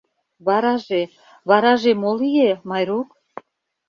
— Вараже, вараже мо лие, Майрук?